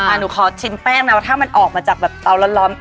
หนูขอชิมแป้งนะว่าถ้ามันออกมาจากแบบเตาร้อน